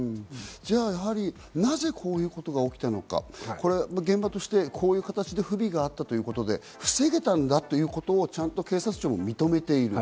じゃあ、やはりなぜこういうことが起きたのか現場としてこういう形で不備があったということで、防げたんだということをちゃんと警察庁も認めている。